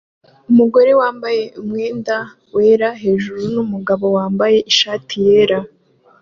Umugore wambaye umwenda wera hejuru numugabo wambaye ishati yera